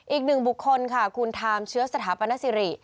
อีกหนึ่งบุคคลค่ะคุณทามเชื้อสถาปนสิริ